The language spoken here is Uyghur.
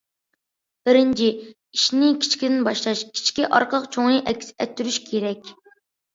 بىرىنچى، ئىشنى كىچىكىدىن باشلاش، كىچىكى ئارقىلىق چوڭىنى ئەكس ئەتتۈرۈش كېرەك.